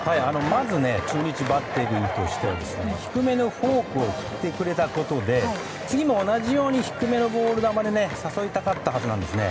まず中日バッテリーとしては低めのフォークを振ってくれたことで次も同じように低めのボール球で誘いたかったはずなんですね。